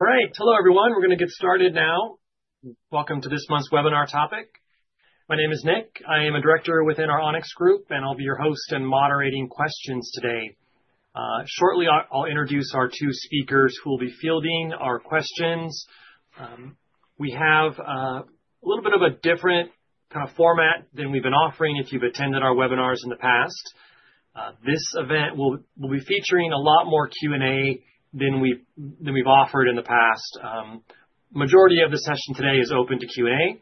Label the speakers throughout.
Speaker 1: Right. Hello, everyone. We're going to get started now. Welcome to this month's webinar topic. My name is Nick. I am a director within our Onyx Group, and I'll be your host and moderating questions today. Shortly, I'll introduce our two speakers who will be fielding our questions. We have a little bit of a different kind of format than we've been offering if you've attended our webinars in the past. This event will be featuring a lot more Q&A than we've offered in the past. The majority of the session today is open to Q&A.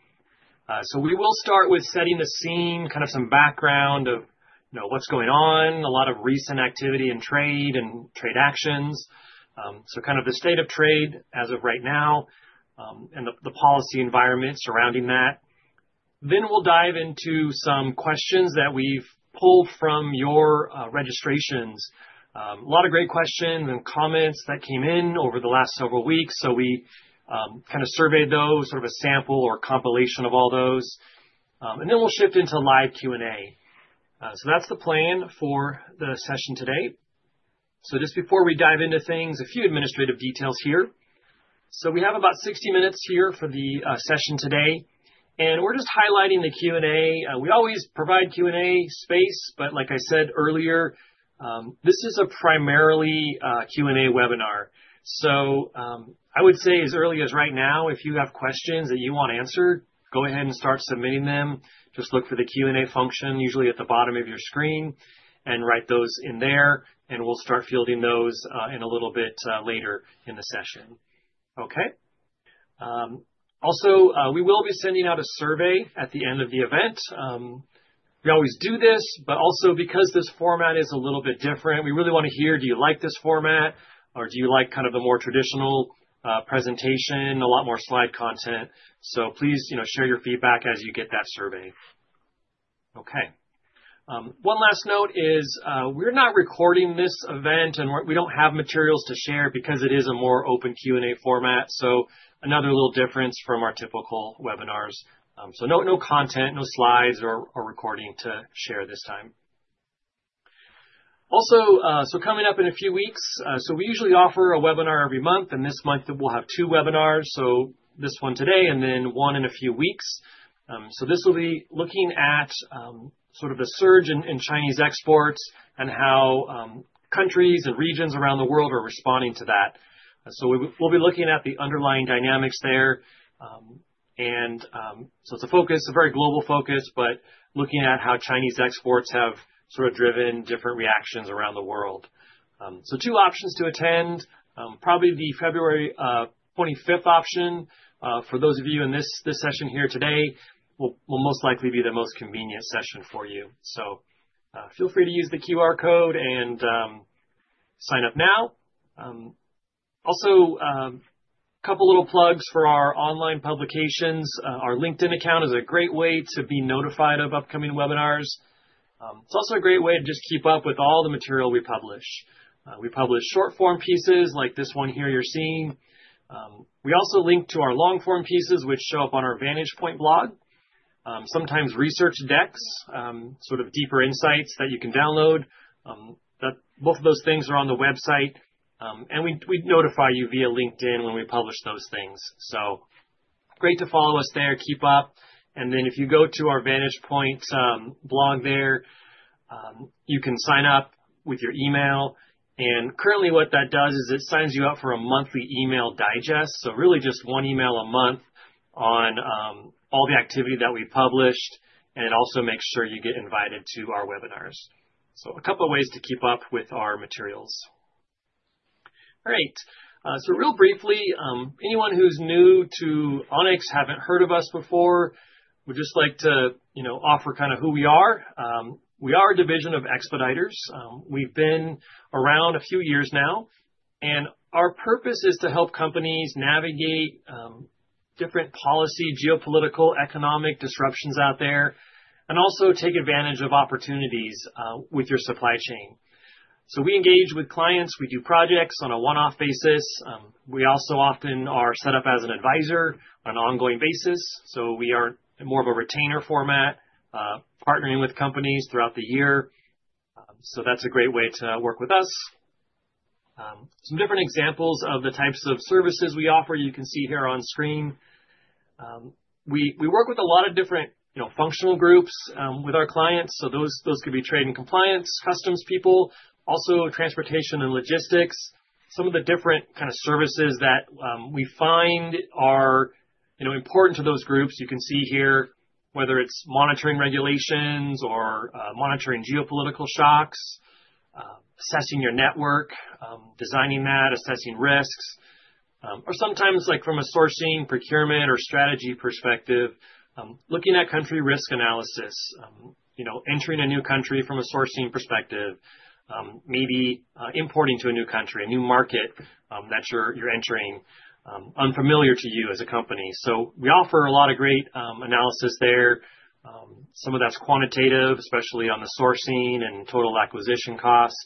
Speaker 1: So we will start with setting the scene, kind of some background of what's going on, a lot of recent activity in trade and trade actions. So kind of the state of trade as of right now and the policy environment surrounding that. Then we'll dive into some questions that we've pulled from your registrations. A lot of great questions and comments that came in over the last several weeks. So we kind of surveyed those, sort of a sample or compilation of all those. And then we'll shift into live Q&A. So that's the plan for the session today. So just before we dive into things, a few administrative details here. So we have about 60 minutes here for the session today. And we're just highlighting the Q&A. We always provide Q&A space, but like I said earlier, this is a primarily Q&A webinar. So I would say as early as right now, if you have questions that you want answered, go ahead and start submitting them. Just look for the Q&A function, usually at the bottom of your screen, and write those in there. And we'll start fielding those in a little bit later in the session. Okay. Also, we will be sending out a survey at the end of the event. We always do this, but also because this format is a little bit different, we really want to hear, do you like this format? Or do you like kind of the more traditional presentation, a lot more slide content? So please share your feedback as you get that survey. Okay. One last note is we're not recording this event, and we don't have materials to share because it is a more open Q&A format. So another little difference from our typical webinars. So no content, no slides or recording to share this time. Also, so coming up in a few weeks, so we usually offer a webinar every month, and this month we'll have two webinars. So this one today and then one in a few weeks. So this will be looking at sort of the surge in Chinese exports and how countries and regions around the world are responding to that. So we'll be looking at the underlying dynamics there. And so it's a focus, a very global focus, but looking at how Chinese exports have sort of driven different reactions around the world. So two options to attend, probably the February 25th option for those of you in this session here today will most likely be the most convenient session for you. So feel free to use the QR code and sign up now. Also, a couple little plugs for our online publications. Our LinkedIn account is a great way to be notified of upcoming webinars. It's also a great way to just keep up with all the material we publish. We publish short form pieces like this one here you're seeing. We also link to our long form pieces, which show up on our VantagePoint blog. Sometimes research decks, sort of deeper insights that you can download. Both of those things are on the website. And we notify you via LinkedIn when we publish those things. So great to follow us there, keep up. And then if you go to our VantagePoint blog there, you can sign up with your email. And currently what that does is it signs you up for a monthly email digest. So really just one email a month on all the activity that we publish. And it also makes sure you get invited to our webinars. So a couple of ways to keep up with our materials. All right. So, real briefly, anyone who's new to Onyx, haven't heard of us before, we'd just like to offer kind of who we are. We are a division of Expeditors. We've been around a few years now, and our purpose is to help companies navigate different policy, geopolitical, economic disruptions out there, and also take advantage of opportunities with your supply chain, so we engage with clients. We do projects on a one-off basis. We also often are set up as an advisor on an ongoing basis, so we are more of a retainer format, partnering with companies throughout the year, so that's a great way to work with us. Some different examples of the types of services we offer, you can see here on screen. We work with a lot of different functional groups with our clients, so those could be trade and compliance, customs people, also transportation and logistics. Some of the different kind of services that we find are important to those groups. You can see here whether it's monitoring regulations or monitoring geopolitical shocks, assessing your network, designing that, assessing risks. Or sometimes from a sourcing, procurement, or strategy perspective, looking at country risk analysis, entering a new country from a sourcing perspective, maybe importing to a new country, a new market that you're entering, unfamiliar to you as a company. So we offer a lot of great analysis there. Some of that's quantitative, especially on the sourcing and total acquisition cost,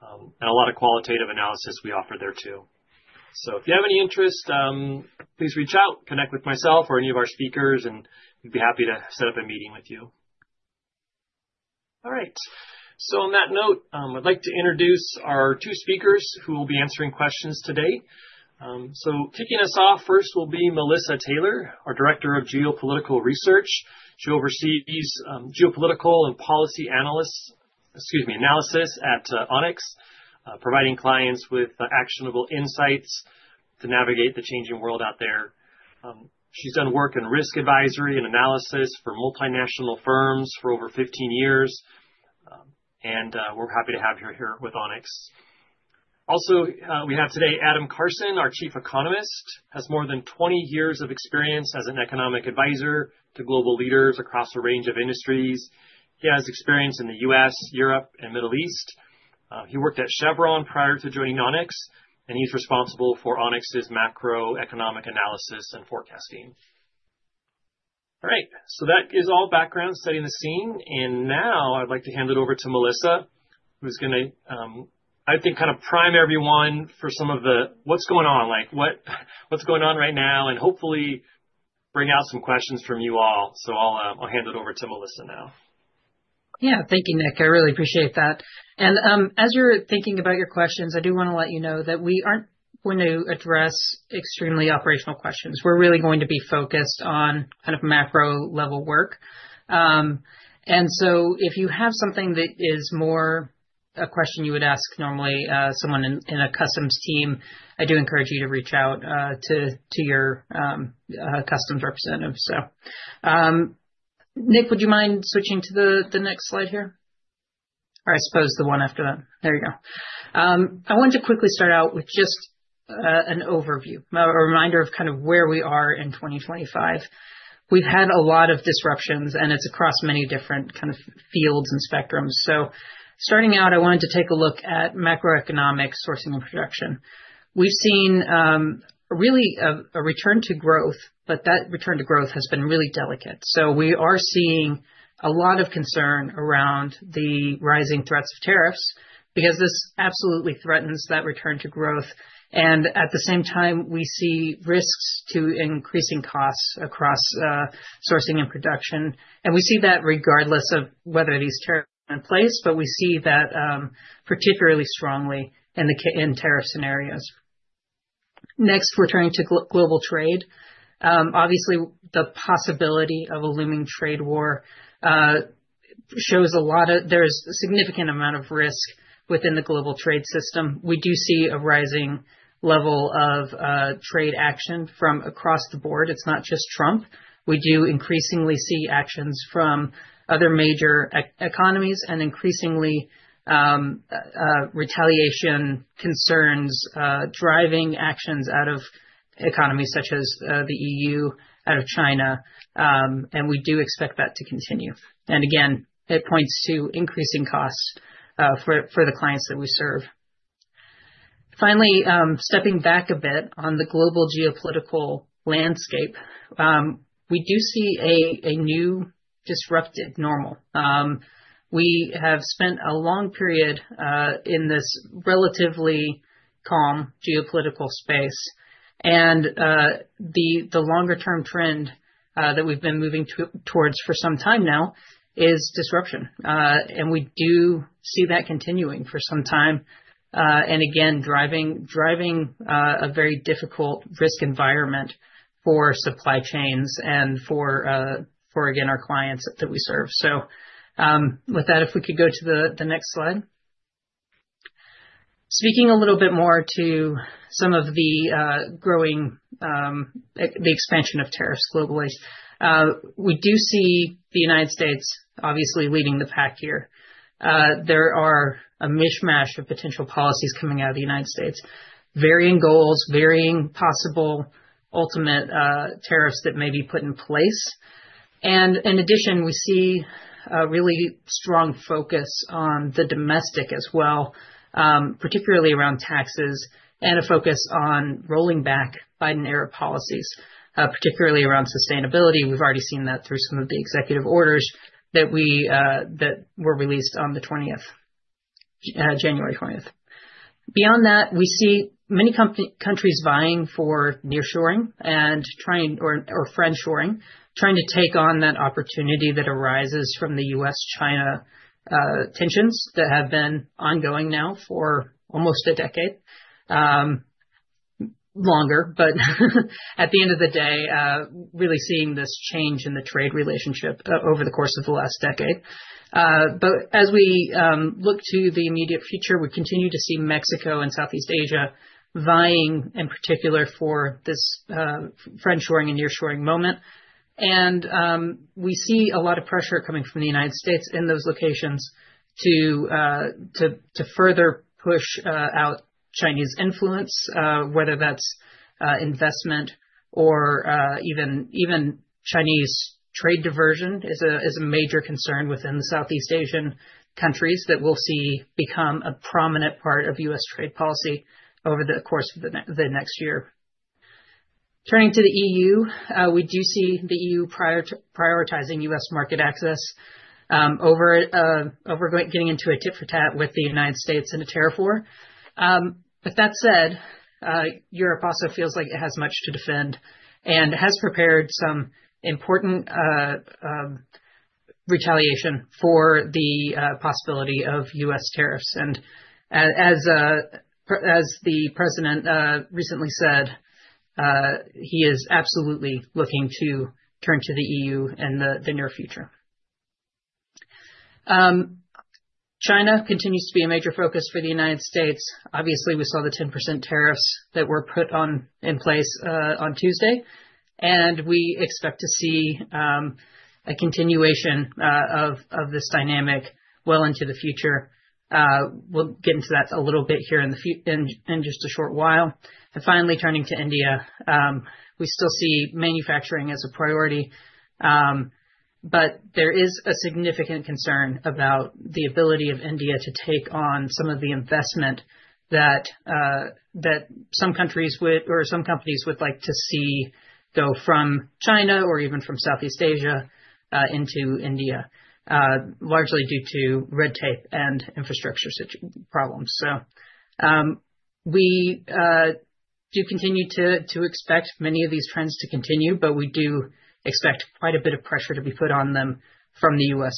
Speaker 1: and a lot of qualitative analysis we offer there too. So if you have any interest, please reach out, connect with myself or any of our speakers, and we'd be happy to set up a meeting with you. All right. So on that note, I'd like to introduce our two speakers who will be answering questions today. So kicking us off, first will be Melissa Taylor, our Director of Geopolitical Research. She oversees geopolitical and policy analysts, excuse me, analysis at Onyx, providing clients with actionable insights to navigate the changing world out there. She's done work in risk advisory and analysis for multinational firms for over 15 years. And we're happy to have her here with Onyx. Also, we have today Adam Carson, our Chief Economist, has more than 20 years of experience as an economic advisor to global leaders across a range of industries. He has experience in the U.S., Europe, and Middle East. He worked at Chevron prior to joining Onyx. And he's responsible for Onyx's macroeconomic analysis and forecasting. All right. So that is all background setting the scene. Now I'd like to hand it over to Melissa, who's going to, I think, kind of prime everyone for some of the what's going on, like what's going on right now, and hopefully bring out some questions from you all. I'll hand it over to Melissa now.
Speaker 2: Yeah. Thank you, Nick. I really appreciate that. And as you're thinking about your questions, I do want to let you know that we aren't going to address extremely operational questions. We're really going to be focused on kind of macro-level work. And so if you have something that is more a question you would ask normally someone in a customs team, I do encourage you to reach out to your customs representative. So Nick, would you mind switching to the next slide here? Or I suppose the one after that. There you go. I wanted to quickly start out with just an overview, a reminder of kind of where we are in 2025. We've had a lot of disruptions, and it's across many different kind of fields and spectrums. So starting out, I wanted to take a look at macroeconomic sourcing and production. We've seen really a return to growth, but that return to growth has been really delicate, so we are seeing a lot of concern around the rising threats of tariffs because this absolutely threatens that return to growth, and at the same time, we see risks to increasing costs across sourcing and production, and we see that regardless of whether these tariffs are in place, but we see that particularly strongly in tariff scenarios. Next, we're turning to global trade. Obviously, the possibility of a looming trade war shows a lot. There's a significant amount of risk within the global trade system. We do see a rising level of trade action from across the board. It's not just Trump. We do increasingly see actions from other major economies and increasingly retaliation concerns driving actions out of economies such as the EU, out of China. We do expect that to continue. Again, it points to increasing costs for the clients that we serve. Finally, stepping back a bit on the global geopolitical landscape, we do see a new disruptive normal. We have spent a long period in this relatively calm geopolitical space. The longer-term trend that we've been moving towards for some time now is disruption. We do see that continuing for some time. Again, driving a very difficult risk environment for supply chains and for, again, our clients that we serve. With that, if we could go to the next slide. Speaking a little bit more to some of the expansion of tariffs globally, we do see the United States obviously leading the pack here. There are a mishmash of potential policies coming out of the United States, varying goals, varying possible ultimate tariffs that may be put in place, and in addition, we see a really strong focus on the domestic as well, particularly around taxes and a focus on rolling back Biden-era policies, particularly around sustainability. We've already seen that through some of the executive orders that were released on the 20th, January 20th. Beyond that, we see many countries vying for nearshoring and trying or friendshoring, trying to take on that opportunity that arises from the U.S.-China tensions that have been ongoing now for almost a decade, longer, but at the end of the day, really seeing this change in the trade relationship over the course of the last decade. As we look to the immediate future, we continue to see Mexico and Southeast Asia vying in particular for this friendshoring and nearshoring moment. And we see a lot of pressure coming from the United States in those locations to further push out Chinese influence, whether that's investment or even Chinese trade diversion is a major concern within the Southeast Asian countries that we'll see become a prominent part of US trade policy over the course of the next year. Turning to the EU, we do see the EU prioritizing US market access over getting into a tit for tat with the United States in a tariff war. With that said, Europe also feels like it has much to defend and has prepared some important retaliation for the possibility of US tariffs. As the president recently said, he is absolutely looking to turn to the EU in the near future. China continues to be a major focus for the United States. Obviously, we saw the 10% tariffs that were put in place on Tuesday. We expect to see a continuation of this dynamic well into the future. We'll get into that a little bit here in just a short while. Finally, turning to India, we still see manufacturing as a priority. There is a significant concern about the ability of India to take on some of the investment that some countries or some companies would like to see go from China or even from Southeast Asia into India, largely due to red tape and infrastructure problems. So we do continue to expect many of these trends to continue, but we do expect quite a bit of pressure to be put on them from the U.S.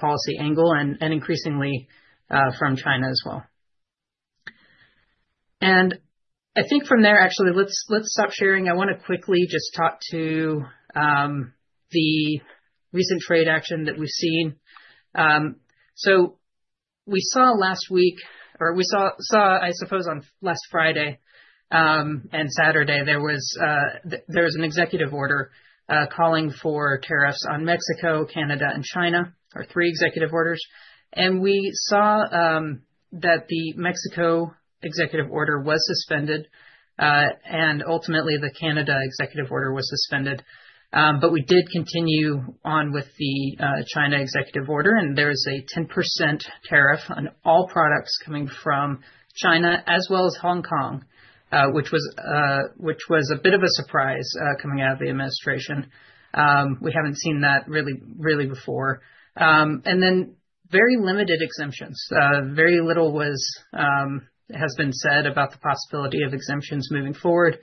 Speaker 2: policy angle and increasingly from China as well. And I think from there, actually, let's stop sharing. I want to quickly just talk to the recent trade action that we've seen. So we saw last week, or we saw, I suppose, on last Friday and Saturday, there was an executive order calling for tariffs on Mexico, Canada, and China, or three executive orders. And we saw that the Mexico executive order was suspended. And ultimately, the Canada executive order was suspended. But we did continue on with the China executive order. And there is a 10% tariff on all products coming from China as well as Hong Kong, which was a bit of a surprise coming out of the administration. We haven't seen that really before. And then very limited exemptions. Very little has been said about the possibility of exemptions moving forward.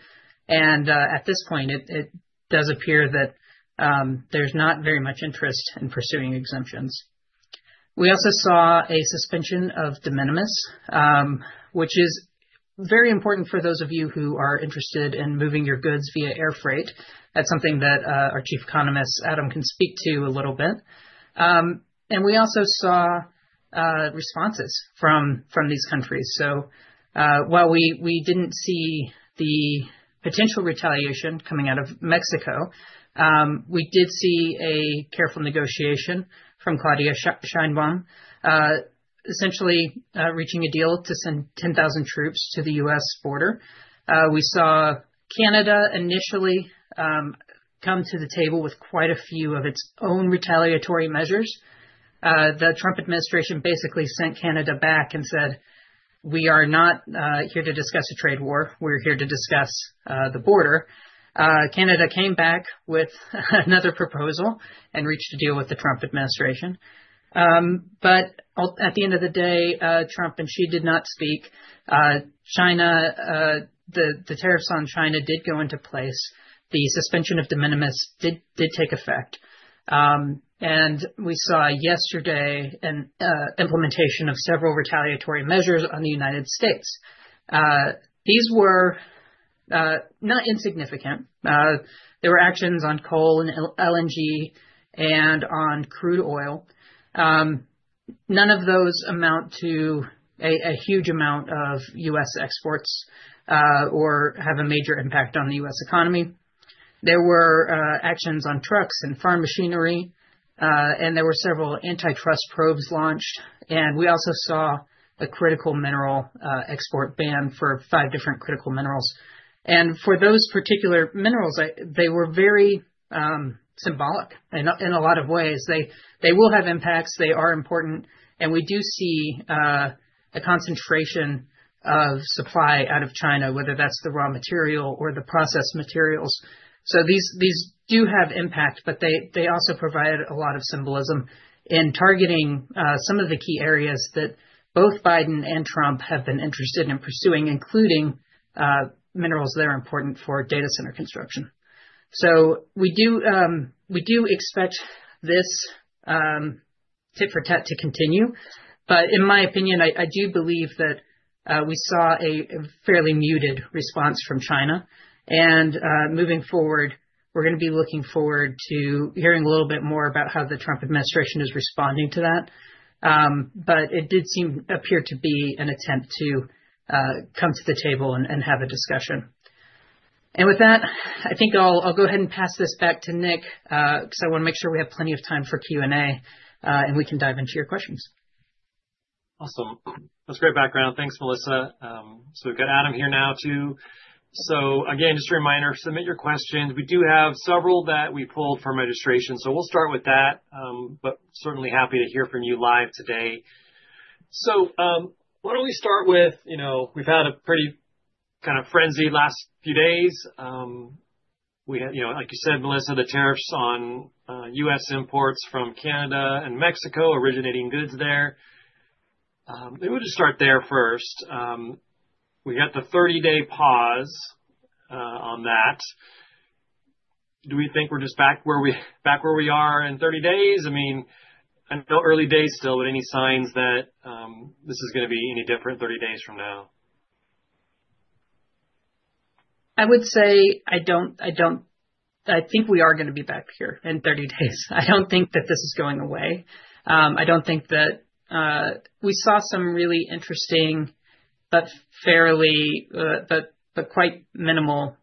Speaker 2: And at this point, it does appear that there's not very much interest in pursuing exemptions. We also saw a suspension of de minimis, which is very important for those of you who are interested in moving your goods via air freight. That's something that our Chief Economist, Adam, can speak to a little bit. And we also saw responses from these countries. So while we didn't see the potential retaliation coming out of Mexico, we did see a careful negotiation from Claudia Sheinbaum, essentially reaching a deal to send 10,000 troops to the U.S. border. We saw Canada initially come to the table with quite a few of its own retaliatory measures. The Trump administration basically sent Canada back and said, "We are not here to discuss a trade war. We're here to discuss the border." Canada came back with another proposal and reached a deal with the Trump administration. But at the end of the day, Trump and Xi did not speak. The tariffs on China did go into place. The suspension of de minimis did take effect. And we saw yesterday an implementation of several retaliatory measures on the United States. These were not insignificant. There were actions on coal and LNG and on crude oil. None of those amount to a huge amount of U.S. exports or have a major impact on the U.S. economy. There were actions on trucks and farm machinery. And there were several antitrust probes launched. And we also saw a critical mineral export ban for five different critical minerals. And for those particular minerals, they were very symbolic in a lot of ways. They will have impacts. They are important. And we do see a concentration of supply out of China, whether that's the raw material or the processed materials. So these do have impact, but they also provide a lot of symbolism in targeting some of the key areas that both Biden and Trump have been interested in pursuing, including minerals that are important for data center construction. So we do expect this tit for tat to continue. But in my opinion, I do believe that we saw a fairly muted response from China. And moving forward, we're going to be looking forward to hearing a little bit more about how the Trump administration is responding to that. But it did appear to be an attempt to come to the table and have a discussion. With that, I think I'll go ahead and pass this back to Nick because I want to make sure we have plenty of time for Q&A, and we can dive into your questions.
Speaker 1: Awesome. That's great background. Thanks, Melissa. So we've got Adam here now too. So again, just a reminder, submit your questions. We do have several that we pulled from registration. So we'll start with that, but certainly happy to hear from you live today. So why don't we start with we've had a pretty kind of frenzy last few days. Like you said, Melissa, the tariffs on U.S. imports from Canada and Mexico originating goods there. Maybe we'll just start there first. We got the 30-day pause on that. Do we think we're just back where we are in 30 days? I mean, I know early days still, but any signs that this is going to be any different 30 days from now?
Speaker 2: I would say I don't think we are going to be back here in 30 days. I don't think that this is going away. I don't think that we saw some really interesting but quite minimal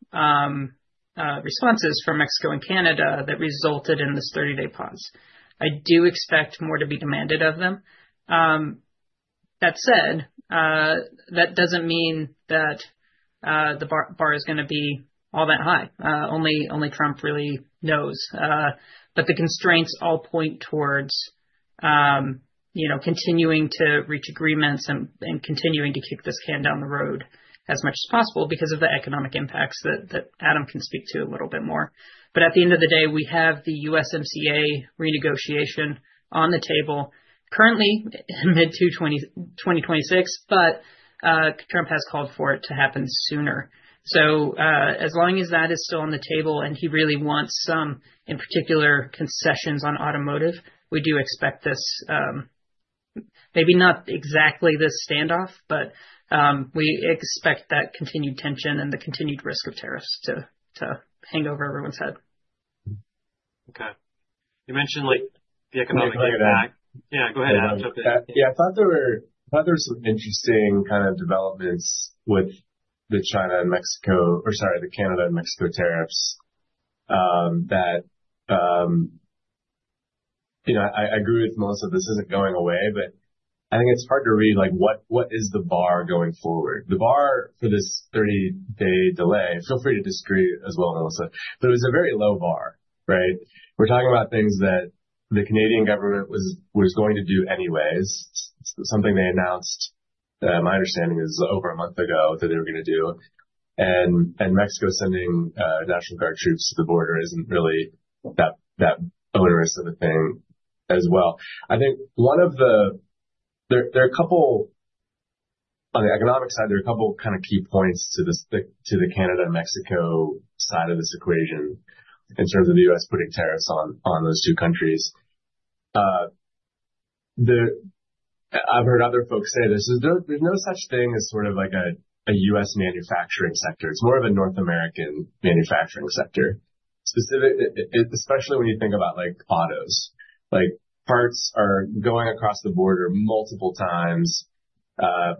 Speaker 2: responses from Mexico and Canada that resulted in this 30-day pause. I do expect more to be demanded of them. That said, that doesn't mean that the bar is going to be all that high. Only Trump really knows, but the constraints all point towards continuing to reach agreements and continuing to keep this can down the road as much as possible because of the economic impacts that Adam can speak to a little bit more, but at the end of the day, we have the USMCA renegotiation on the table currently in mid-2026, but Trump has called for it to happen sooner. So as long as that is still on the table and he really wants some, in particular, concessions on automotive, we do expect this maybe not exactly this standoff, but we expect that continued tension and the continued risk of tariffs to hang over everyone's head.
Speaker 1: Okay. You mentioned the economic impact. Yeah. Go ahead, Adam.
Speaker 3: Yeah. I thought there were some interesting kind of developments with the China and Mexico or sorry, the Canada and Mexico tariffs that I agree with Melissa. This isn't going away, but I think it's hard to read what is the bar going forward. The bar for this 30-day delay, feel free to disagree as well, Melissa, but it was a very low bar, right? We're talking about things that the Canadian government was going to do anyways. Something they announced, my understanding is over a month ago that they were going to do. And Mexico sending National Guard troops to the border isn't really that onerous of a thing as well. I think there are a couple on the economic side, kind of key points to the Canada and Mexico side of this equation in terms of the U.S. putting tariffs on those two countries. I've heard other folks say this. There's no such thing as sort of like a U.S. manufacturing sector. It's more of a North American manufacturing sector, especially when you think about autos. Parts are going across the border multiple times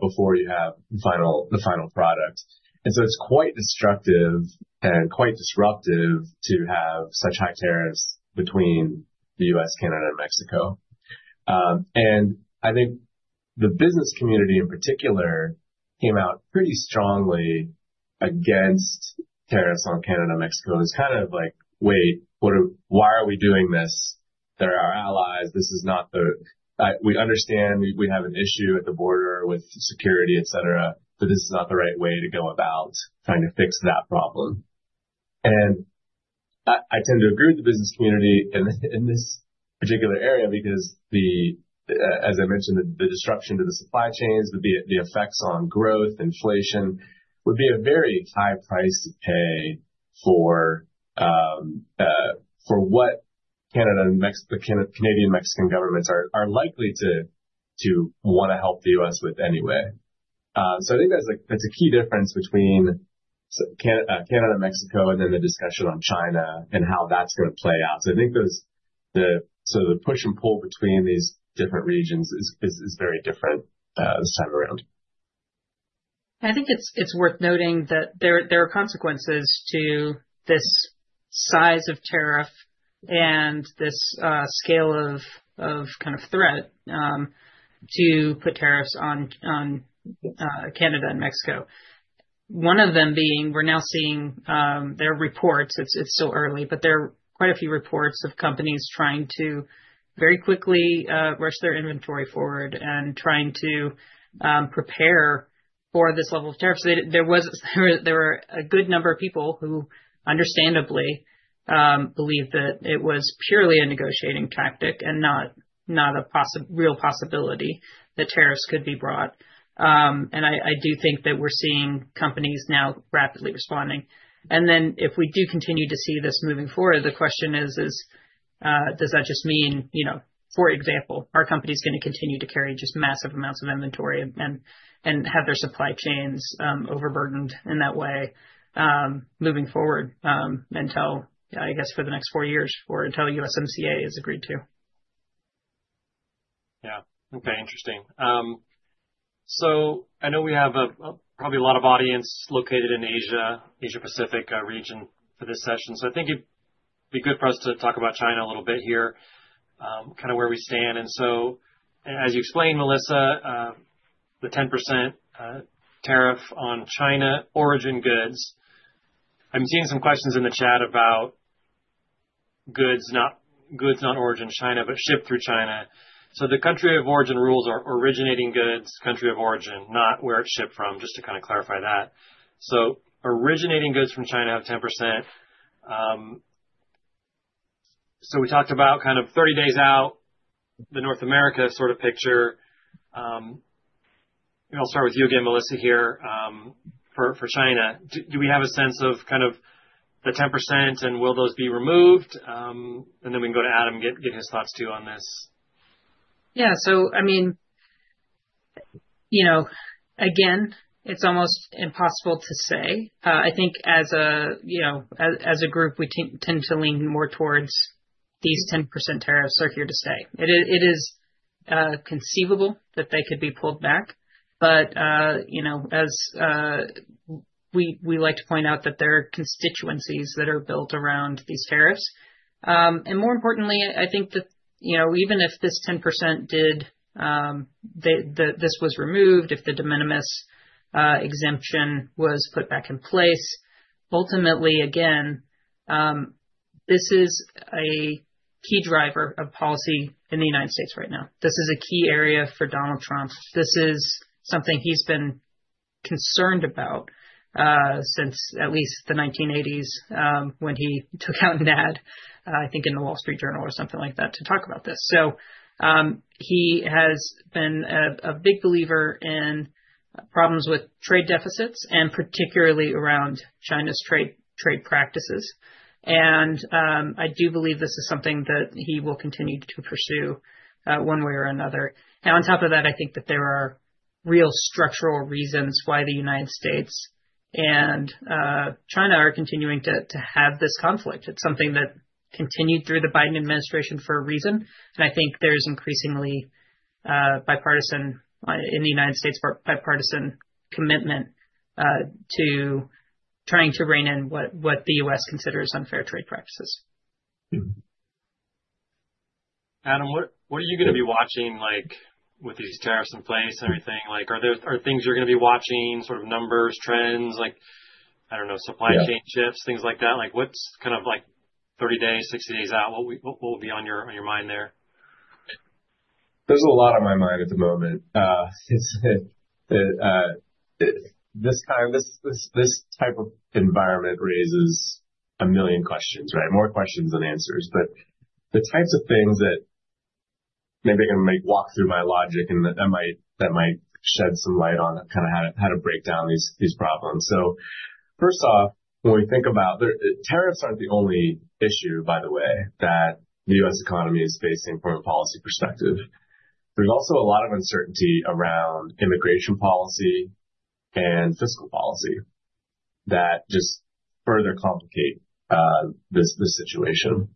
Speaker 3: before you have the final product, and so it's quite destructive and quite disruptive to have such high tariffs between the U.S., Canada, and Mexico, and I think the business community in particular came out pretty strongly against tariffs on Canada and Mexico. It was kind of like, "Wait, why are we doing this? They're our allies. This is not the way we understand, we have an issue at the border with security, etc., but this is not the right way to go about trying to fix that problem." And I tend to agree with the business community in this particular area because, as I mentioned, the disruption to the supply chains, the effects on growth, inflation would be a very high price to pay for what Canada and Mexican governments are likely to want to help the U.S. with anyway. So I think that's a key difference between Canada and Mexico and then the discussion on China and how that's going to play out. So I think sort of the push and pull between these different regions is very different this time around.
Speaker 2: I think it's worth noting that there are consequences to this size of tariff and this scale of kind of threat to put tariffs on Canada and Mexico. One of them being, we're now seeing their reports. It's still early, but there are quite a few reports of companies trying to very quickly rush their inventory forward and trying to prepare for this level of tariffs. There were a good number of people who understandably believe that it was purely a negotiating tactic and not a real possibility that tariffs could be brought, and I do think that we're seeing companies now rapidly responding. Then if we do continue to see this moving forward, the question is, does that just mean, for example, are companies going to continue to carry just massive amounts of inventory and have their supply chains overburdened in that way moving forward until, I guess, for the next four years or until USMCA has agreed to?
Speaker 1: Yeah. Okay. Interesting. So I know we have probably a lot of audience located in Asia, Asia-Pacific region for this session. So I think it'd be good for us to talk about China a little bit here, kind of where we stand. And so as you explained, Melissa, the 10% tariff on China origin goods. I'm seeing some questions in the chat about goods not origin China, but shipped through China. So the country of origin rules are originating goods, country of origin, not where it's shipped from, just to kind of clarify that. So originating goods from China have 10%. So we talked about kind of 30 days out, the North America sort of picture. I'll start with you again, Melissa, here for China. Do we have a sense of kind of the 10% and will those be removed? And then we can go to Adam and get his thoughts too on this.
Speaker 2: Yeah. So I mean, again, it's almost impossible to say. I think as a group, we tend to lean more towards these 10% tariffs are here to stay. It is conceivable that they could be pulled back. But as we like to point out, that there are constituencies that are built around these tariffs. And more importantly, I think that even if this 10% did, this was removed, if the de minimis exemption was put back in place, ultimately, again, this is a key driver of policy in the United States right now. This is a key area for Donald Trump. This is something he's been concerned about since at least the 1980s when he took out an ad, I think in the Wall Street Journal or something like that, to talk about this. So he has been a big believer in problems with trade deficits and particularly around China's trade practices. And I do believe this is something that he will continue to pursue one way or another. Now, on top of that, I think that there are real structural reasons why the United States and China are continuing to have this conflict. It's something that continued through the Biden administration for a reason. And I think there's increasingly bipartisan in the United States commitment to trying to rein in what the U.S. considers unfair trade practices.
Speaker 1: Adam, what are you going to be watching with these tariffs in place and everything? Are there things you're going to be watching, sort of numbers, trends, I don't know, supply chain shifts, things like that? What's kind of like 30 days, 60 days out? What will be on your mind there?
Speaker 3: There's a lot on my mind at the moment. This type of environment raises a million questions, right? More questions than answers. But the types of things that maybe I can walk through my logic and that might shed some light on kind of how to break down these problems. So first off, when we think about tariffs, aren't the only issue, by the way, that the U.S. economy is facing from a policy perspective. There's also a lot of uncertainty around immigration policy and fiscal policy that just further complicate this situation.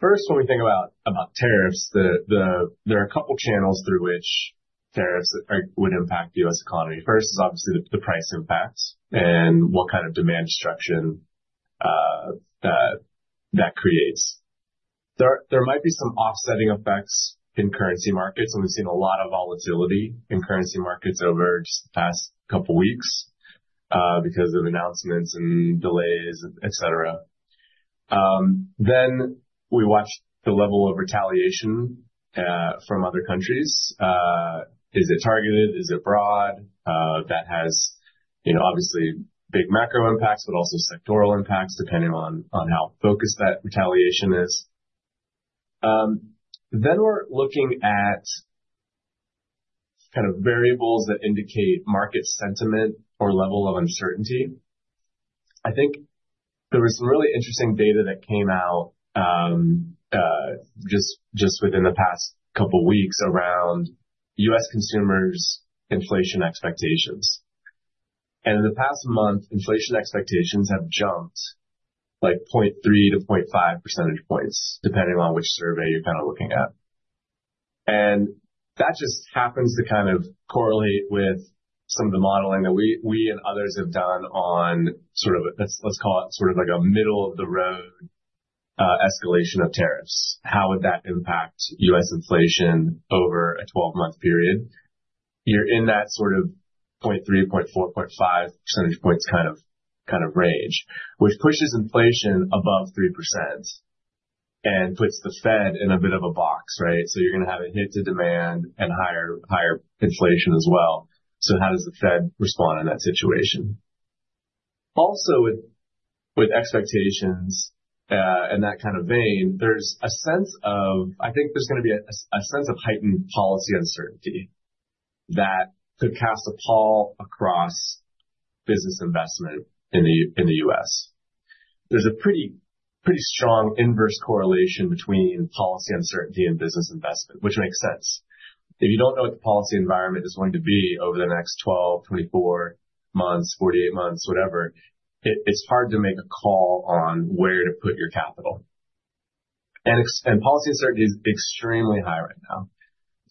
Speaker 3: First, when we think about tariffs, there are a couple of channels through which tariffs would impact the U.S. economy. First is obviously the price impacts and what kind of demand destruction that creates. There might be some offsetting effects in currency markets. We've seen a lot of volatility in currency markets over just the past couple of weeks because of announcements and delays, etc. Then we watch the level of retaliation from other countries. Is it targeted? Is it broad? That has obviously big macro impacts, but also sectoral impacts depending on how focused that retaliation is. Then we're looking at kind of variables that indicate market sentiment or level of uncertainty. I think there was some really interesting data that came out just within the past couple of weeks around U.S. consumers' inflation expectations. In the past month, inflation expectations have jumped like 0.3-0.5 percentage points depending on which survey you're kind of looking at. That just happens to kind of correlate with some of the modeling that we and others have done on sort of, let's call it sort of like a middle-of-the-road escalation of tariffs. How would that impact U.S. inflation over a 12-month period? You're in that sort of 0.3, 0.4, 0.5 percentage points kind of range, which pushes inflation above 3% and puts the Fed in a bit of a box, right? So you're going to have a hit to demand and higher inflation as well. So how does the Fed respond in that situation? Also, with expectations in that kind of vein, there's a sense of, I think there's going to be a sense of heightened policy uncertainty that could cast a pall across business investment in the U.S. There's a pretty strong inverse correlation between policy uncertainty and business investment, which makes sense. If you don't know what the policy environment is going to be over the next 12, 24 months, 48 months, whatever, it's hard to make a call on where to put your capital. And policy uncertainty is extremely high right now.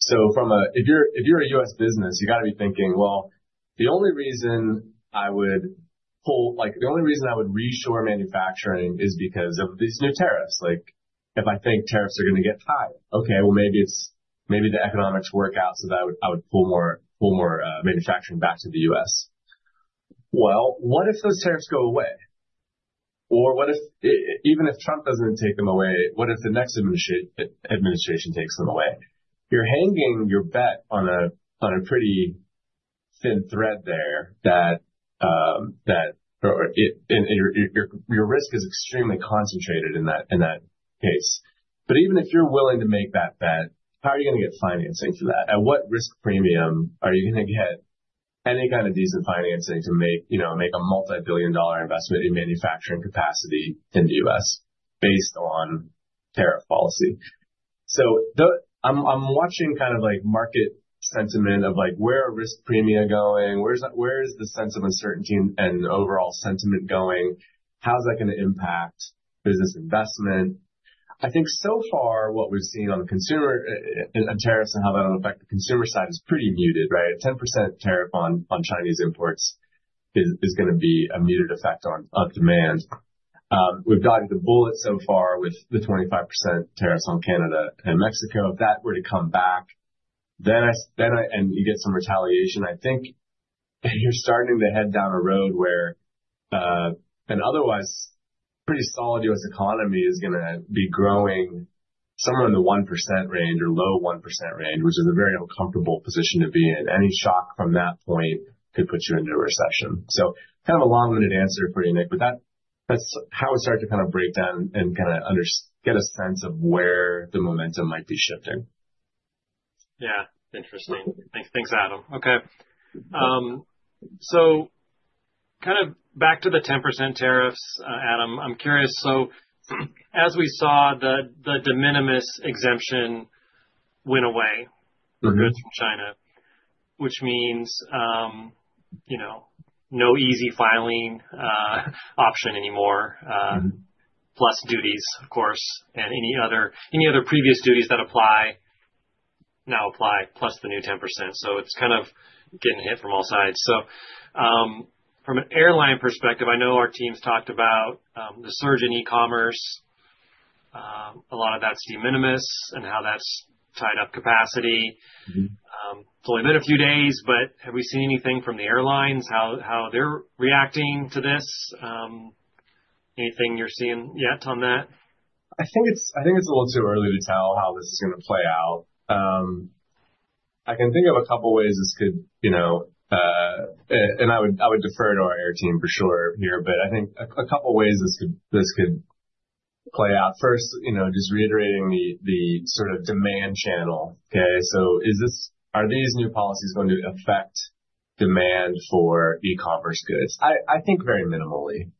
Speaker 3: So if you're a U.S. business, you got to be thinking, "Well, the only reason I would pull, the only reason I would reshore manufacturing is because of these new tariffs." If I think tariffs are going to get high, okay, well, maybe the economics work out so that I would pull more manufacturing back to the U.S. Well, what if those tariffs go away? Or even if Trump doesn't take them away, what if the next administration takes them away? You're hanging your bet on a pretty thin thread there that your risk is extremely concentrated in that case. But even if you're willing to make that bet, how are you going to get financing for that? At what risk premium are you going to get any kind of decent financing to make a multi-billion-dollar investment in manufacturing capacity in the U.S. based on tariff policy? So I'm watching kind of like market sentiment of where are risk premia going? Where is the sense of uncertainty and overall sentiment going? How is that going to impact business investment? I think so far what we've seen on the consumer and tariffs and how that will affect the consumer side is pretty muted, right? 10% tariff on Chinese imports is going to be a muted effect on demand. We've dodged a bullet so far with the 25% tariffs on Canada and Mexico. If that were to come back and you get some retaliation, I think you're starting to head down a road where an otherwise pretty solid U.S. economy is going to be growing somewhere in the 1% range or low 1% range, which is a very uncomfortable position to be in. Any shock from that point could put you into a recession. So kind of a long-winded answer for you, Nick, but that's how we start to kind of break down and kind of get a sense of where the momentum might be shifting.
Speaker 1: Yeah. Interesting. Thanks, Adam. Okay. So kind of back to the 10% tariffs, Adam, I'm curious. So as we saw, the de minimis exemption went away for goods from China, which means no easy filing option anymore, plus duties, of course, and any other previous duties that apply now apply, plus the new 10%. So it's kind of getting hit from all sides. So from an airline perspective, I know our teams talked about the surge in e-Commerce. A lot of that's de minimis and how that's tied up capacity. It's only been a few days, but have we seen anything from the airlines, how they're reacting to this? Anything you're seeing yet on that?
Speaker 3: I think it's a little too early to tell how this is going to play out. I can think of a couple of ways this could, and I would defer to our air team for sure here, but I think a couple of ways this could play out. First, just reiterating the sort of demand channel, okay? So are these new policies going to affect demand for e-Commerce goods? I think very minimally.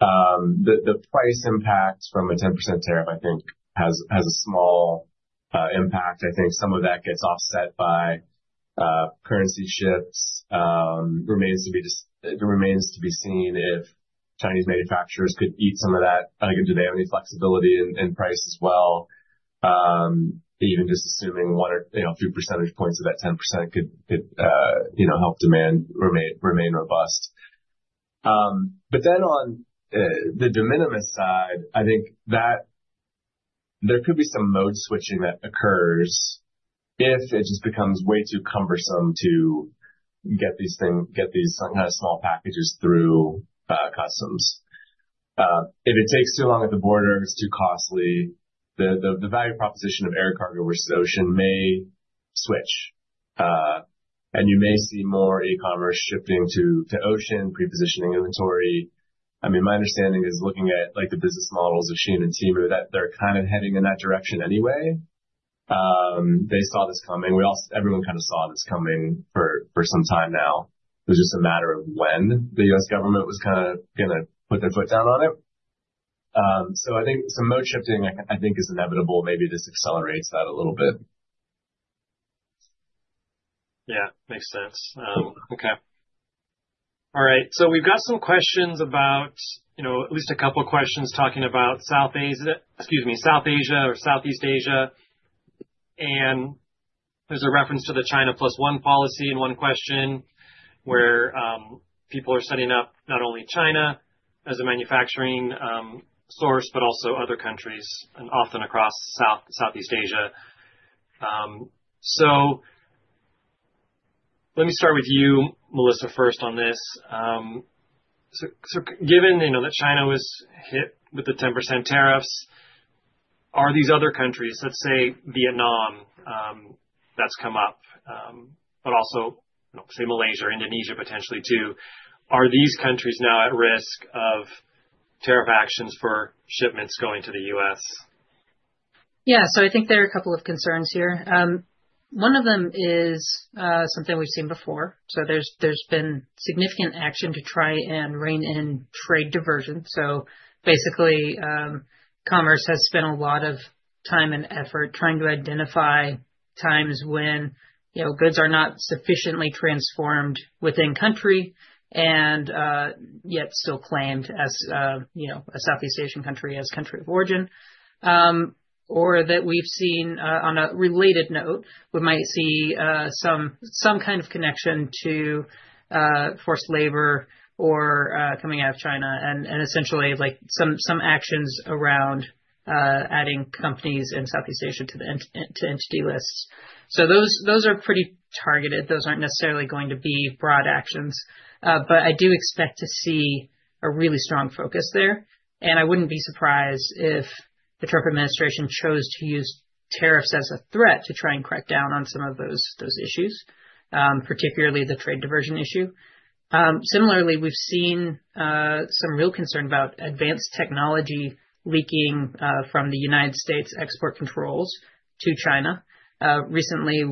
Speaker 3: The price impact from a 10% tariff, I think, has a small impact. I think some of that gets offset by currency shifts. It remains to be seen if Chinese manufacturers could eat some of that. Do they have any flexibility in price as well? Even just assuming a few percentage points of that 10% could help demand remain robust. But then on the de minimis side, I think there could be some mode switching that occurs if it just becomes way too cumbersome to get these kind of small packages through customs. If it takes too long at the border, it's too costly, the value proposition of air cargo versus ocean may switch. And you may see more e-Commerce shifting to ocean, pre-positioning inventory. I mean, my understanding is looking at the business models of Shein and Temu, they're kind of heading in that direction anyway. They saw this coming. Everyone kind of saw this coming for some time now. It was just a matter of when the U.S. government was kind of going to put their foot down on it. So I think some mode shifting, I think, is inevitable. Maybe this accelerates that a little bit.
Speaker 1: Yeah. Makes sense. Okay. All right. So we've got some questions about at least a couple of questions talking about South Asia or Southeast Asia, and there's a reference to the China Plus One policy in one question where people are setting up not only China as a manufacturing source, but also other countries, and often across Southeast Asia, so let me start with you, Melissa, first on this, so given that China was hit with the 10% tariffs, are these other countries, let's say Vietnam, that's come up, but also say Malaysia, Indonesia potentially too, are these countries now at risk of tariff actions for shipments going to the U.S.?
Speaker 2: Yeah. So I think there are a couple of concerns here. One of them is something we've seen before. So there's been significant action to try and rein in trade diversion. So basically, Commerce has spent a lot of time and effort trying to identify times when goods are not sufficiently transformed within country and yet still claimed as a Southeast Asian country as country of origin. Or that we've seen on a related note, we might see some kind of connection to forced labor or coming out of China and essentially some actions around adding companies in Southeast Asia to entity lists. So those are pretty targeted. Those aren't necessarily going to be broad actions. But I do expect to see a really strong focus there. And I wouldn't be surprised if the Trump administration chose to use tariffs as a threat to try and crack down on some of those issues, particularly the trade diversion issue. Similarly, we've seen some real concern about advanced technology leaking from the United States export controls to China. Recently,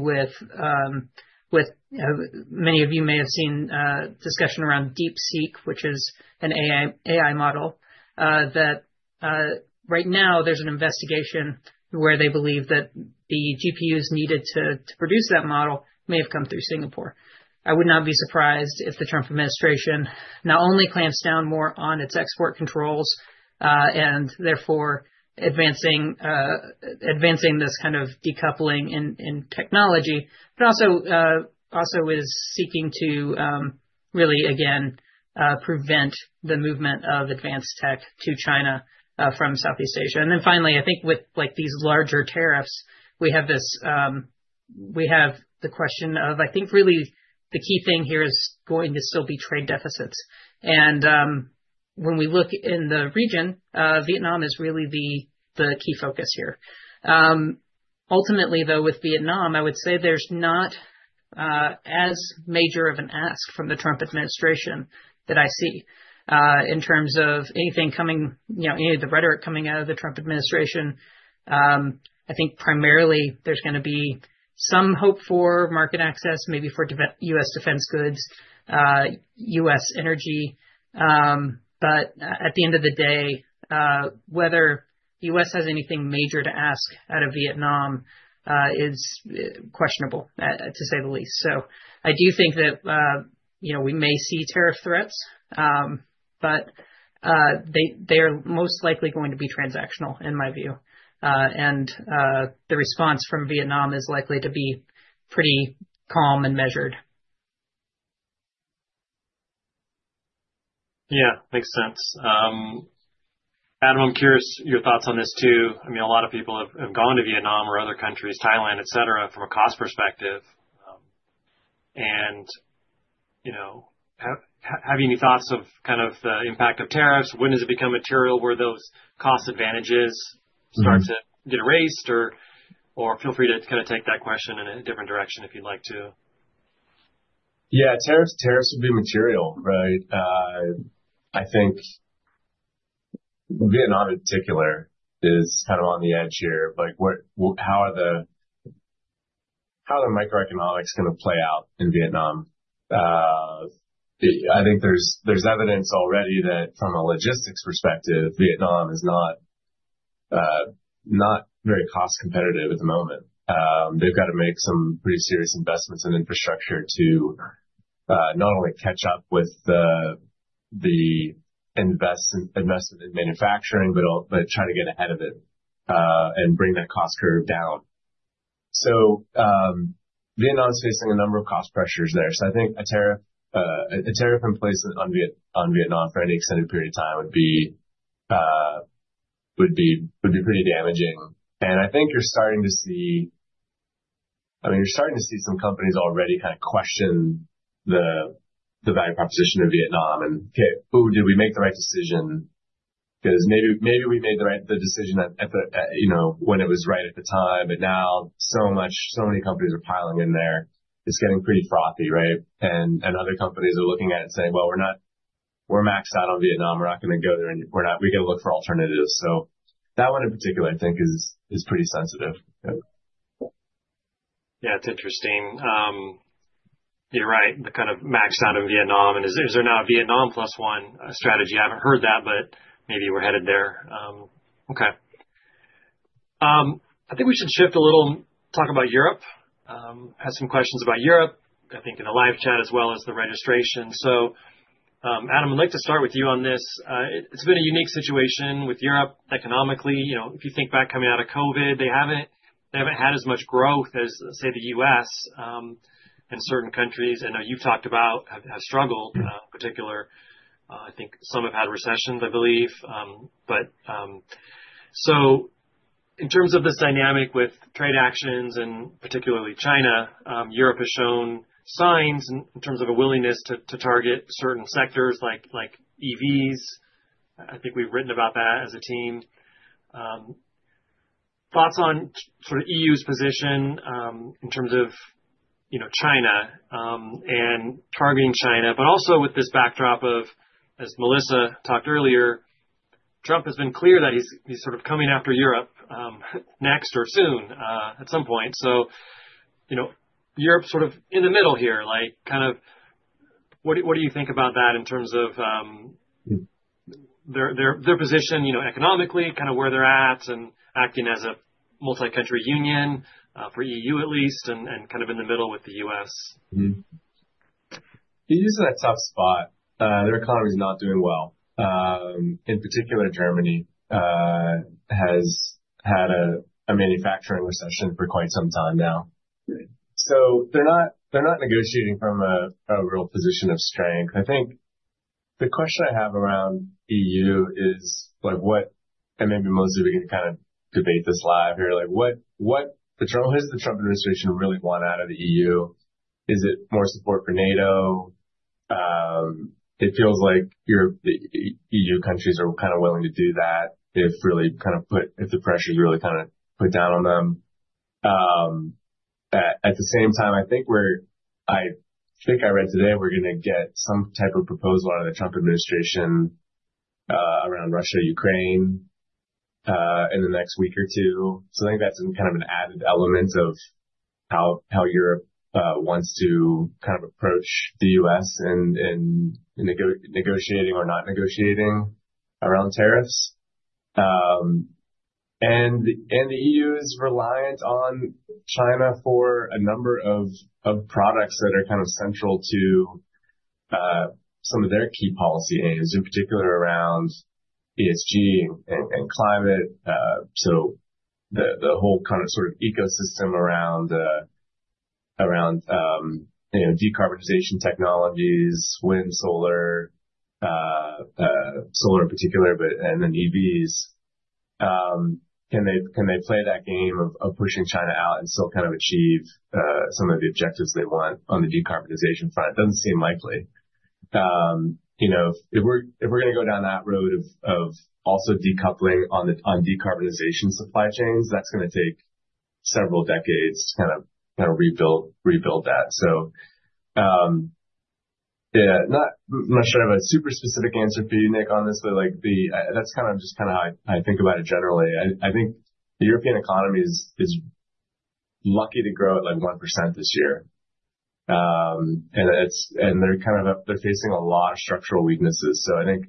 Speaker 2: many of you may have seen discussion around DeepSeek, which is an AI model. Right now, there's an investigation where they believe that the GPUs needed to produce that model may have come through Singapore. I would not be surprised if the Trump administration not only clamps down more on its export controls and therefore advancing this kind of decoupling in technology, but also is seeking to really, again, prevent the movement of advanced tech to China from Southeast Asia. And then finally, I think with these larger tariffs, we have the question of, I think really the key thing here is going to still be trade deficits. When we look in the region, Vietnam is really the key focus here. Ultimately, though, with Vietnam, I would say there's not as major of an ask from the Trump administration that I see in terms of anything coming, any of the rhetoric coming out of the Trump administration. Primarily there's going to be some hope for market access, maybe for U.S. defense goods, U.S. energy. At the end of the day, whether the U.S. has anything major to ask out of Vietnam is questionable, to say the least. I do think that we may see tariff threats, but they are most likely going to be transactional, in my view. The response from Vietnam is likely to be pretty calm and measured.
Speaker 1: Yeah. Makes sense. Adam, I'm curious your thoughts on this too. I mean, a lot of people have gone to Vietnam or other countries, Thailand, etc., from a cost perspective. And have you any thoughts of kind of the impact of tariffs? When does it become material where those cost advantages start to get erased? Or feel free to kind of take that question in a different direction if you'd like to.
Speaker 3: Yeah. Tariffs will be material, right? I think Vietnam in particular is kind of on the edge here. How are the microeconomics going to play out in Vietnam? I think there's evidence already that from a logistics perspective, Vietnam is not very cost competitive at the moment. They've got to make some pretty serious investments in infrastructure to not only catch up with the investment in manufacturing, but try to get ahead of it and bring that cost curve down. So Vietnam is facing a number of cost pressures there. So I think a tariff in place on Vietnam for any extended period of time would be pretty damaging. And I think, I mean, you're starting to see some companies already kind of question the value proposition of Vietnam and, "Oh, did we make the right decision? Because maybe we made the decision when it was right at the time." But now so many companies are piling in there. It's getting pretty frothy, right? And other companies are looking at it and saying, "Well, we're maxed out on Vietnam. We're not going to go there. We're going to look for alternatives." So that one in particular, I think, is pretty sensitive.
Speaker 1: Yeah. It's interesting. You're right. The kind of maxed out in Vietnam, and is there now a Vietnam Plus One strategy? I haven't heard that, but maybe we're headed there. Okay. I think we should shift a little and talk about Europe. I have some questions about Europe, I think, in the live chat as well as the registration. So, Adam, I'd like to start with you on this. It's been a unique situation with Europe economically. If you think back coming out of COVID, they haven't had as much growth as, say, the U.S. and certain countries. I know you've talked about have struggled in particular. I think some have had recessions, I believe, but so in terms of this dynamic with trade actions and particularly China, Europe has shown signs in terms of a willingness to target certain sectors like EVs. I think we've written about that as a team. Thoughts on sort of EU's position in terms of China and targeting China, but also with this backdrop of, as Melissa talked earlier, Trump has been clear that he's sort of coming after Europe next or soon at some point. So Europe's sort of in the middle here. Kind of what do you think about that in terms of their position economically, kind of where they're at and acting as a multi-country union for EU, at least, and kind of in the middle with the U.S.?
Speaker 3: EU's in a tough spot. Their economy's not doing well. In particular, Germany has had a manufacturing recession for quite some time now. So they're not negotiating from a real position of strength. I think the question I have around EU is, and maybe Melissa, we can kind of debate this live here, what does the Trump administration really want out of the EU? Is it more support for NATO? It feels like EU countries are kind of willing to do that if the pressure's really kind of put down on them. At the same time, I think I read today we're going to get some type of proposal out of the Trump administration around Russia, Ukraine in the next week or two. So I think that's kind of an added element of how Europe wants to kind of approach the US in negotiating or not negotiating around tariffs. And the EU is reliant on China for a number of products that are kind of central to some of their key policy aims, in particular around ESG and climate. So the whole kind of sort of ecosystem around decarbonization technologies, wind, solar, solar in particular, and then EVs. Can they play that game of pushing China out and still kind of achieve some of the objectives they want on the decarbonization front? It doesn't seem likely. If we're going to go down that road of also decoupling on decarbonization supply chains, that's going to take several decades to kind of rebuild that. So I'm not sure I have a super specific answer for you, Nick, on this, but that's kind of just kind of how I think about it generally. I think the European economy is lucky to grow at 1% this year. And they're kind of facing a lot of structural weaknesses. So I think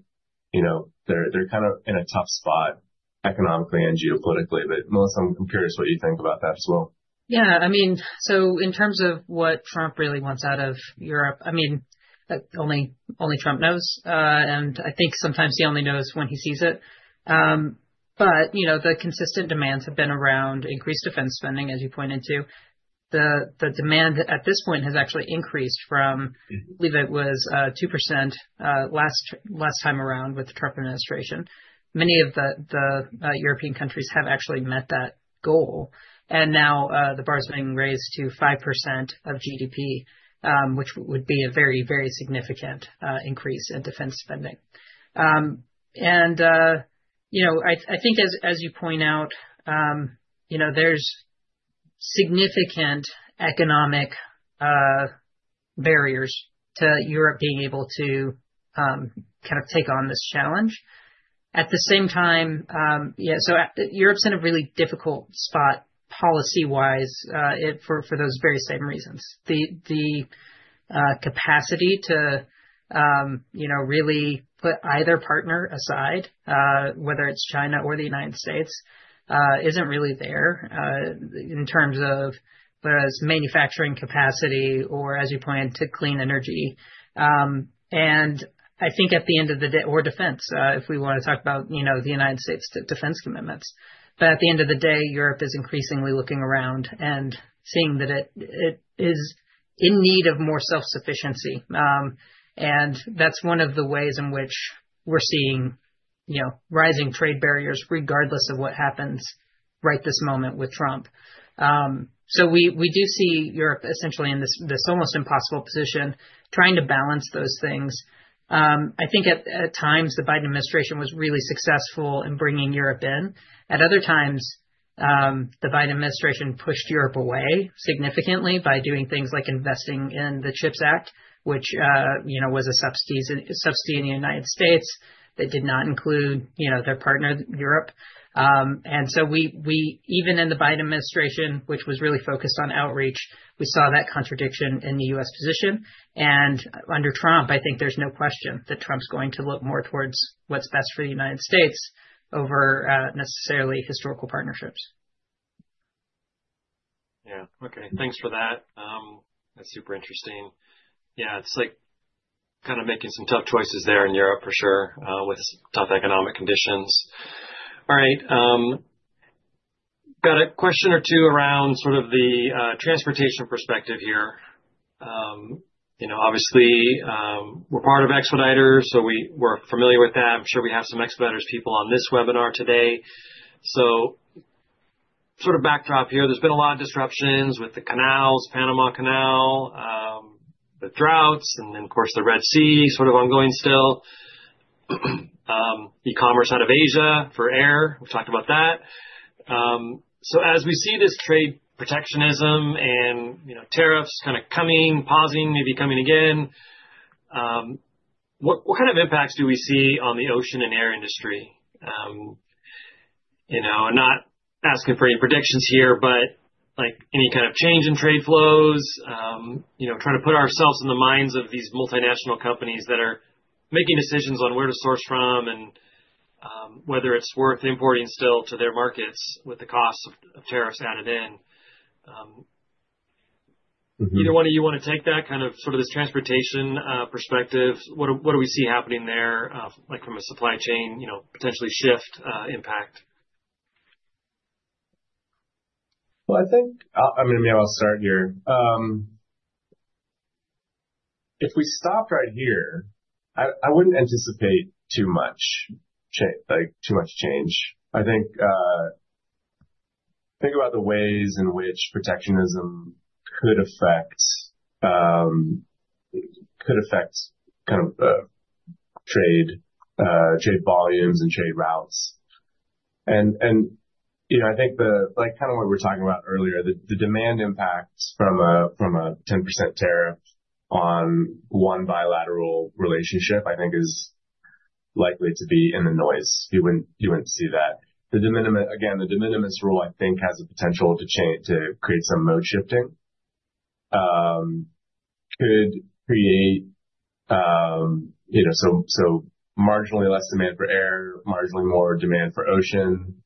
Speaker 3: they're kind of in a tough spot economically and geopolitically. But Melissa, I'm curious what you think about that as well.
Speaker 2: Yeah. I mean, so in terms of what Trump really wants out of Europe, I mean, only Trump knows. And I think sometimes he only knows when he sees it. But the consistent demands have been around increased defense spending, as you pointed to. The demand at this point has actually increased from, I believe it was 2% last time around with the Trump administration. Many of the European countries have actually met that goal. And now the bar's being raised to 5% of GDP, which would be a very, very significant increase in defense spending. And I think, as you point out, there's significant economic barriers to Europe being able to kind of take on this challenge. At the same time, yeah, so Europe's in a really difficult spot policy-wise for those very same reasons. The capacity to really put either partner aside, whether it's China or the United States, isn't really there in terms of whereas manufacturing capacity or as you pointed to clean energy. And I think at the end of the day or defense, if we want to talk about the United States defense commitments. But at the end of the day, Europe is increasingly looking around and seeing that it is in need of more self-sufficiency. And that's one of the ways in which we're seeing rising trade barriers regardless of what happens right this moment with Trump. So we do see Europe essentially in this almost impossible position trying to balance those things. I think the Biden administration was really successful in bringing Europe in. At other times, the Biden administration pushed Europe away significantly by doing things like investing in the CHIPS Act, which was a subsidy in the United States that did not include their partner, Europe. And so even in the Biden administration, which was really focused on outreach, we saw that contradiction in the U.S. position. And under Trump, I think there's no question that Trump's going to look more towards what's best for the United States over necessarily historical partnerships.
Speaker 1: Yeah. Okay. Thanks for that. That's super interesting. Yeah. It's like kind of making some tough choices there in Europe for sure with tough economic conditions. All right. Got a question or two around sort of the transportation perspective here. Obviously, we're part of Expeditors, so we're familiar with that. I'm sure we have some Expeditors' people on this webinar today. So sort of backdrop here, there's been a lot of disruptions with the canals, Panama Canal, the droughts, and then, of course, the Red Sea sort of ongoing still. E-Commerce out of Asia for air. We've talked about that. So as we see this trade protectionism and tariffs kind of coming, pausing, maybe coming again, what kind of impacts do we see on the ocean and air industry? I'm not asking for any predictions here, but any kind of change in trade flows, trying to put ourselves in the minds of these multinational companies that are making decisions on where to source from and whether it's worth importing still to their markets with the cost of tariffs added in. Either one of you want to take that kind of sort of this transportation perspective? What do we see happening there from a supply chain potentially shift impact?
Speaker 3: I think I mean, maybe I'll start here. If we stopped right here, I wouldn't anticipate too much change. I think about the ways in which protectionism could affect kind of trade volumes and trade routes. I think kind of what we were talking about earlier, the demand impact from a 10% tariff on one bilateral relationship, I think, is likely to be in the noise. You wouldn't see that. Again, the de minimis rule, I think, has the potential to create some mode shifting. Could create so marginally less demand for air, marginally more demand for ocean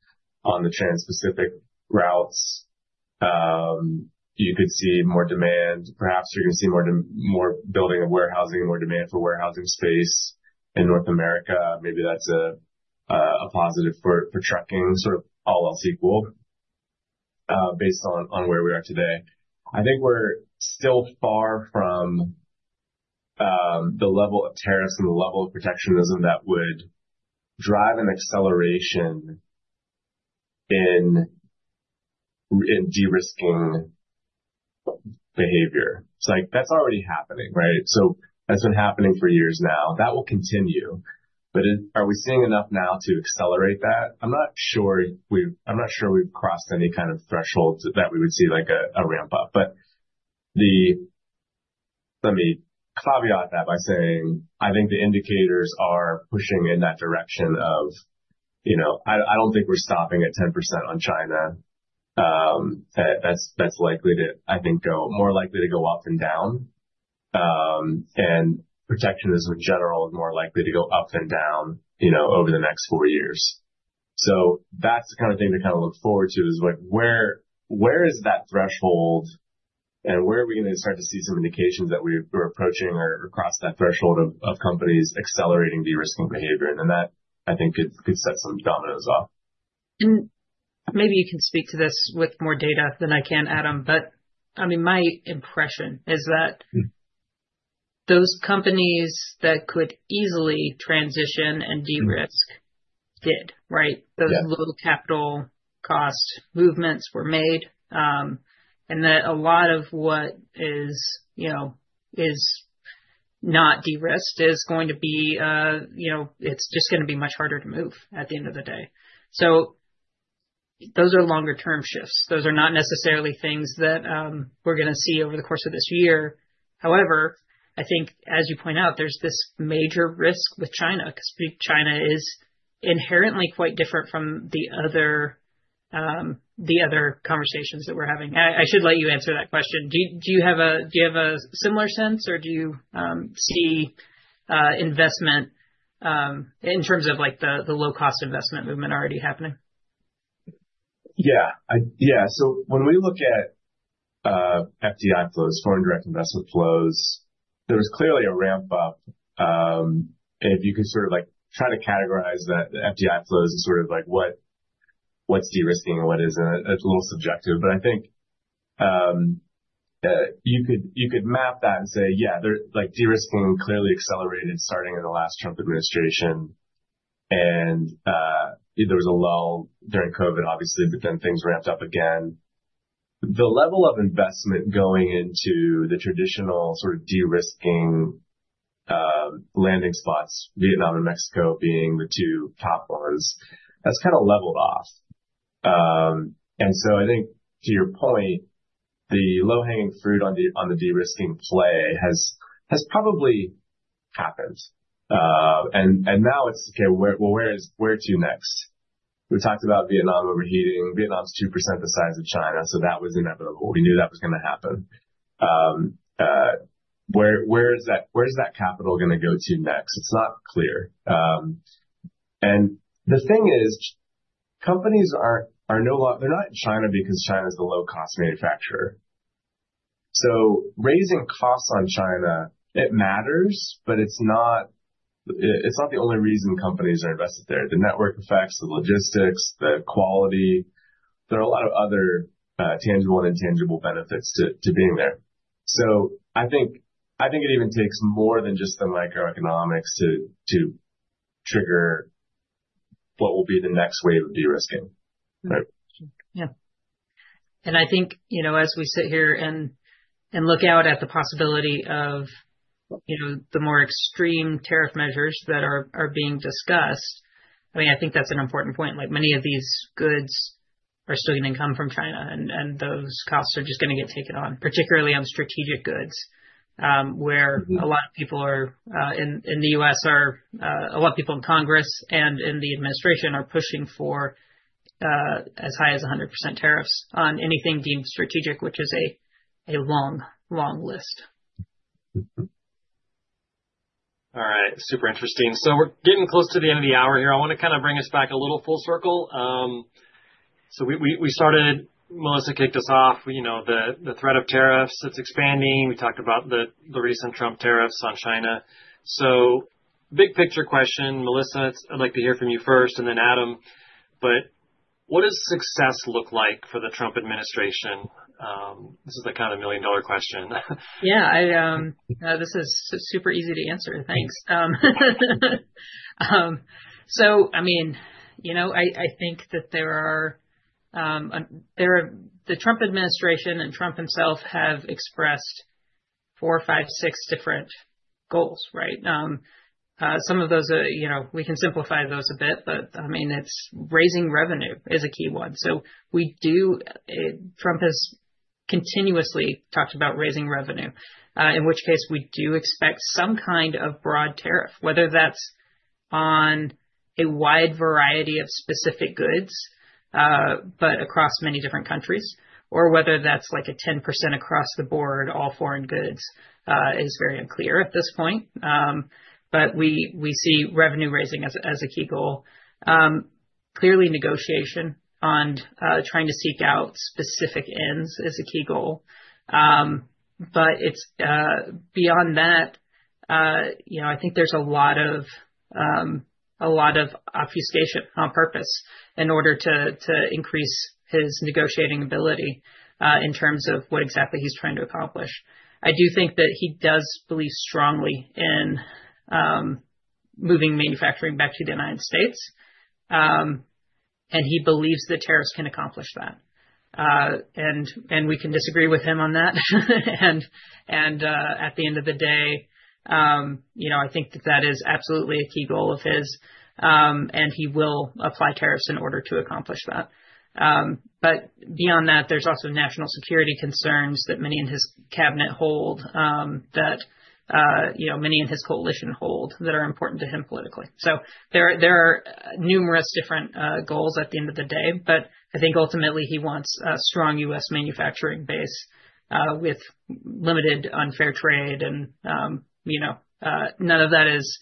Speaker 3: on the Trans-Pacific routes. You could see more demand. Perhaps you're going to see more building of warehousing and more demand for warehousing space in North America. Maybe that's a positive for trucking, sort of all else equal based on where we are today. I think we're still far from the level of tariffs and the level of protectionism that would drive an acceleration in de-risking behavior. It's like that's already happening, right? So that's been happening for years now. That will continue. But are we seeing enough now to accelerate that? I'm not sure we've crossed any kind of threshold that we would see a ramp-up. But let me caveat that by saying I think the indicators are pushing in that direction of I don't think we're stopping at 10% on China. That's likely to, I think, go more likely to go up and down. And protectionism in general is more likely to go up and down over the next four years. So that's the kind of thing to kind of look forward to is where is that threshold and where are we going to start to see some indications that we're approaching or across that threshold of companies accelerating de-risking behavior? And then that, I think, could set some dominoes off.
Speaker 2: And maybe you can speak to this with more data than I can, Adam, but I mean, my impression is that those companies that could easily transition and de-risk did, right? Those low capital cost movements were made. And that a lot of what is not de-risked is going to be. It's just going to be much harder to move at the end of the day. So those are longer-term shifts. Those are not necessarily things that we're going to see over the course of this year. However, I think, as you point out, there's this major risk with China because China is inherently quite different from the other conversations that we're having. I should let you answer that question. Do you have a similar sense, or do you see investment in terms of the low-cost investment movement already happening?
Speaker 3: Yeah. Yeah. So when we look at FDI flows, foreign direct investment flows, there was clearly a ramp-up. If you could sort of try to categorize that FDI flows as sort of what's de-risking and what isn't, it's a little subjective. But I think you could map that and say, yeah, de-risking clearly accelerated starting in the last Trump administration. And there was a lull during COVID, obviously, but then things ramped up again. The level of investment going into the traditional sort of de-risking landing spots, Vietnam and Mexico being the two top ones, that's kind of leveled off. And so I think, to your point, the low-hanging fruit on the de-risking play has probably happened. And now it's, okay, well, where to next? We talked about Vietnam overheating. Vietnam's 2% the size of China, so that was inevitable. We knew that was going to happen. Where's that capital going to go to next? It's not clear, and the thing is, companies are no longer, they're not in China because China's a low-cost manufacturer, so raising costs on China, it matters, but it's not the only reason companies are invested there. The network effects, the logistics, the quality. There are a lot of other tangible and intangible benefits to being there, so I think it even takes more than just the microeconomics to trigger what will be the next wave of de-risking.
Speaker 2: Yeah, and I think as we sit here and look out at the possibility of the more extreme tariff measures that are being discussed, I mean, I think that's an important point. Many of these goods are still going to come from China, and those costs are just going to get taken on, particularly on strategic goods, where a lot of people in the U.S., a lot of people in Congress and in the administration are pushing for as high as 100% tariffs on anything deemed strategic, which is a long, long list.
Speaker 1: All right. Super interesting. So we're getting close to the end of the hour here. I want to kind of bring us back a little full circle. So we started, Melissa kicked us off, the threat of tariffs. It's expanding. We talked about the recent Trump tariffs on China. So big picture question, Melissa, I'd like to hear from you first, and then Adam. But what does success look like for the Trump administration? This is the kind of million-dollar question.
Speaker 2: Yeah. This is super easy to answer. Thanks. So I mean, I think that there are the Trump administration and Trump himself have expressed four, five, six different goals, right? Some of those, we can simplify those a bit, but I mean, raising revenue is a key one. So Trump has continuously talked about raising revenue, in which case we do expect some kind of broad tariff, whether that's on a wide variety of specific goods, but across many different countries, or whether that's like a 10% across the board, all foreign goods is very unclear at this point. But we see revenue raising as a key goal. Clearly, negotiation on trying to seek out specific ends is a key goal. But beyond that, I think there's a lot of obfuscation on purpose in order to increase his negotiating ability in terms of what exactly he's trying to accomplish. I do think that he does believe strongly in moving manufacturing back to the United States. And he believes that tariffs can accomplish that. And we can disagree with him on that. And at the end of the day, I think that that is absolutely a key goal of his. And he will apply tariffs in order to accomplish that. But beyond that, there's also national security concerns that many in his cabinet hold, that many in his coalition hold that are important to him politically. So there are numerous different goals at the end of the day. But I think ultimately he wants a strong U.S. manufacturing base with limited unfair trade. And none of that is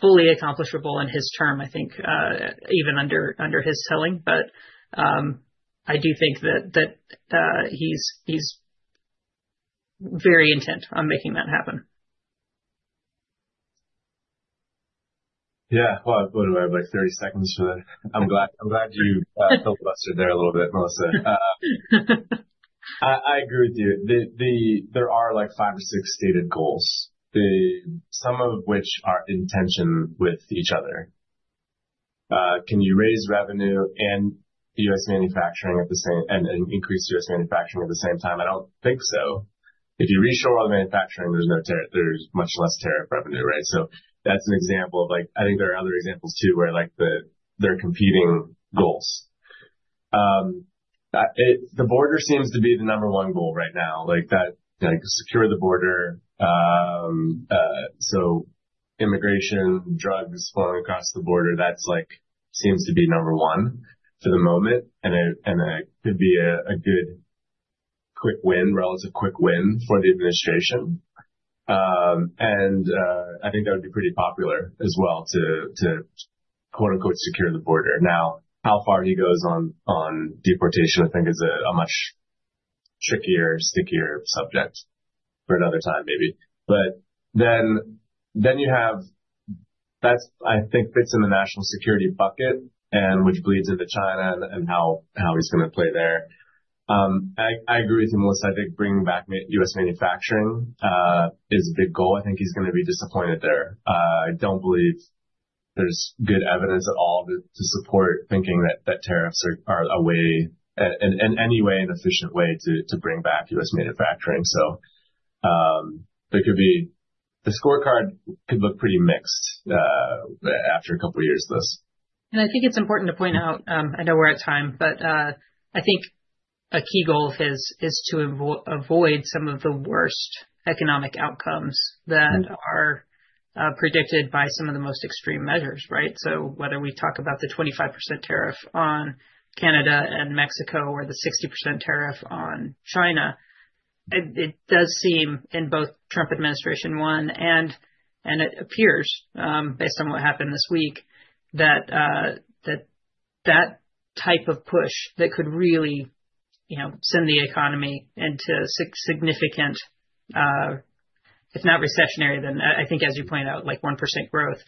Speaker 2: fully accomplishable in his term, I think, even under his telling. But I do think that he's very intent on making that happen.
Speaker 3: Yeah. Well, what do I have? Like 30 seconds for that. I'm glad you filibustered there a little bit, Melissa. I agree with you. There are like five or six stated goals, some of which are in tension with each other. Can you raise revenue and U.S. manufacturing at the same and increase U.S. manufacturing at the same time? I don't think so. If you reshore all the manufacturing, there's much less tariff revenue, right? So that's an example of I think there are other examples too where they're competing goals. The border seems to be the number one goal right now. Secure the border. So immigration, drugs flowing across the border, that seems to be number one for the moment. And it could be a good quick win, relative quick win for the administration. And I think that would be pretty popular as well to "secure the border." Now, how far he goes on deportation, I think, is a much trickier, stickier subject for another time maybe. But then you have that's, I think, fits in the national security bucket, which bleeds into China and how he's going to play there. I agree with you, Melissa. I think bringing back U.S. manufacturing is a big goal. I think he's going to be disappointed there. I don't believe there's good evidence at all to support thinking that tariffs are a way and any way an efficient way to bring back U.S. manufacturing. So the scorecard could look pretty mixed after a couple of years of this.
Speaker 2: I think it's important to point out. I know we're at time, but I think a key goal of his is to avoid some of the worst economic outcomes that are predicted by some of the most extreme measures, right? So whether we talk about the 25% tariff on Canada and Mexico or the 60% tariff on China, it does seem in both Trump administration one and it appears based on what happened this week that that type of push that could really send the economy into significant, if not recessionary, then I think, as you point out, like 1% growth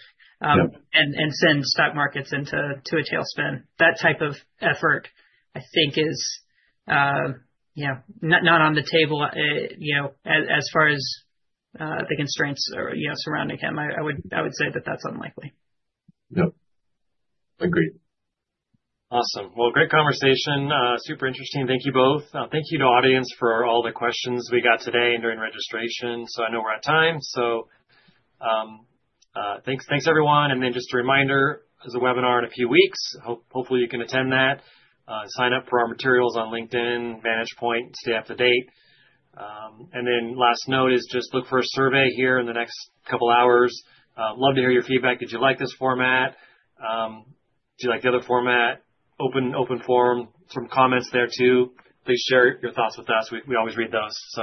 Speaker 2: and send stock markets into a tailspin. That type of effort, I think, is not on the table as far as the constraints surrounding him. I would say that that's unlikely.
Speaker 3: Yep. Agreed.
Speaker 1: Awesome. Well, great conversation. Super interesting. Thank you both. Thank you to the audience for all the questions we got today and during registration. So I know we're on time. So thanks, everyone. And then just a reminder, there's a webinar in a few weeks. Hopefully, you can attend that. Sign up for our materials on LinkedIn, VantagePoint, and stay up to date. And then last note is just look for a survey here in the next couple of hours. Love to hear your feedback. Did you like this format? Do you like the other format? Open forum. Some comments there too. Please share your thoughts with us. We always read those. So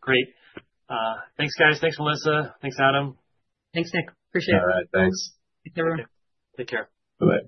Speaker 1: great. Thanks, guys. Thanks, Melissa. Thanks, Adam.
Speaker 2: Thanks, Nick. Appreciate it.
Speaker 3: All right. Thanks.
Speaker 2: Thanks, everyone.
Speaker 1: Take care.
Speaker 3: Bye-bye.